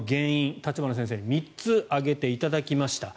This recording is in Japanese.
立花先生に３つ挙げていただきました。